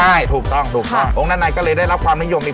ใช่ถูกต้องถูกต้ององค์ด้านในก็เลยได้รับความนิยมอีก